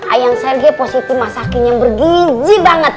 ayang serge positif masakinya berginji banget